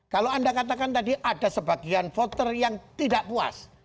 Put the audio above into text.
kalau anda katakan tadi ada sebagian voter yang tidak puas